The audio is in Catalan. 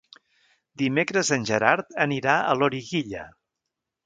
Dimecres en Gerard anirà a Loriguilla.